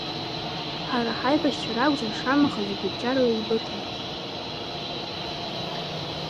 Ҳара ҳаибашьцәа ракәзар, шамаха зегьы бџьарла иеибыҭан.